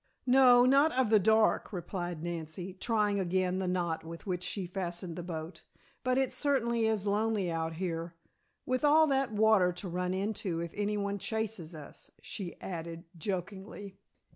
"No, not of the dark," replied Nancy, trying again the knot with which she fastened the boat. "But it certainly is lonely out here, with all that water to run into if anyone chases us," she added, jokingly.